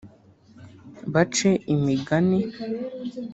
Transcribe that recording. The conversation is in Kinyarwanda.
bace imigani